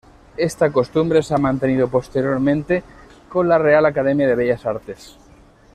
Esta costumbre se ha mantenido posteriormente con la Real Academia de Bellas Artes.